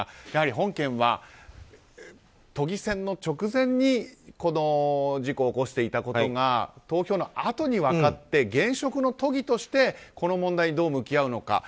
やはり本件は都議選の直前にこの事故を起こしていたことが投票のあとに分かって現職の都議としてこの問題にどう向き合うのか。